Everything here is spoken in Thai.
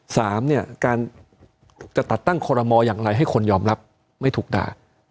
สามเนี่ยการจะตัดตั้งคอรมออย่างไรให้คนยอมรับไม่ถูกด่า